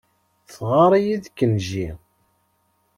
Teɣɣar-iyi-d Kenji.